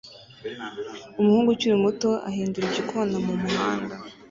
Umuhungu ukiri muto ahindura igikona mumuhanda